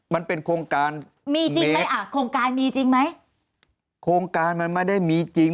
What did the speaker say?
มันเป็นโครงการมีจริงไหมอ่ะโครงการมีจริงไหมโครงการมันไม่ได้มีจริง